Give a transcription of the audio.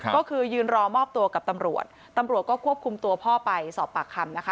ก็คือยืนรอมอบตัวกับตำรวจตำรวจก็ควบคุมตัวพ่อไปสอบปากคำนะคะ